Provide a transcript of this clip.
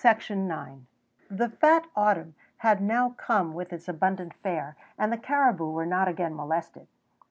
The fat autumn had now come with its abundant fare, and the caribou were not again molested.